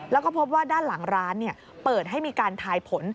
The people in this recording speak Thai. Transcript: แล้วก็พบว่าด้านหลังร้านเปิดให้มีการทายผล